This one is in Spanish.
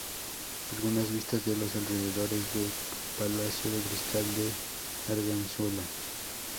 Algunas vistas de los alrededores del ""Palacio de Cristal de Arganzuela"".